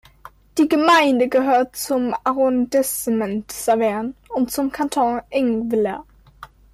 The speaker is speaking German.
Die Gemeinde gehört zum Arrondissement Saverne und zum Kanton Ingwiller.